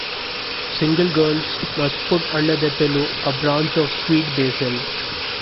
Single girls must put under their pillow a branch of sweet basil.